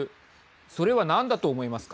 それは何だと思いますか。